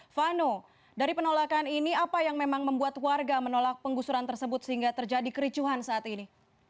vano dari penolakan ini apa yang memang membuat warga menolak penggusuran tersebut sehingga terjadi kericuhan saat ini